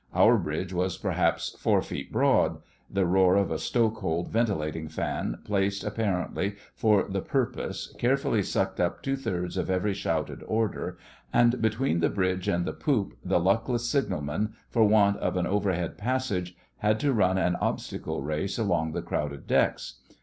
Our bridge was perhaps four feet broad; the roar of a stoke hold ventilating fan, placed apparently for that purpose, carefully sucked up two thirds of every shouted order; and between the bridge and the poop the luckless signalman, for want of an overhead passage, had to run an obstacle race along the crowded decks.